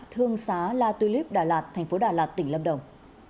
thương xá la tulip đà lạt thành phố đà lạt tỉnh lâm đồng